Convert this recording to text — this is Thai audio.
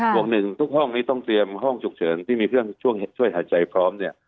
ห่วงหนึ่งทุกห้องนี้ต้องเตรียมห้องฉุกเฉินที่มีเครื่องช่วงช่วยหายใจพร้อมเนี่ย